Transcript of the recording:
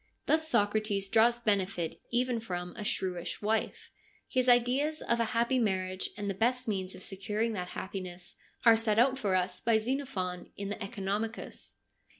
Thus Socrates draws benefit even from a shrewish wife. His ideas of a happy marriage, and the best means of securing that happiness, are set out for us by Xenophon in the CEconomicus.